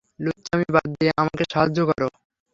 লুচ্চামি বাদ দিয়ে আমাকে সাহায্য করো।